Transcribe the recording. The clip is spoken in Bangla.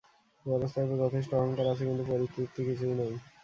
এ অবস্থায় যথেষ্ট অহংকার আছে কিন্তু পরিতৃপ্তি কিছুই নাই।